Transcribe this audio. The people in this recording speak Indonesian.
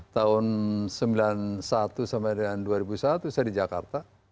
tahun seribu sembilan ratus sembilan puluh satu sampai dengan dua ribu satu saya di jakarta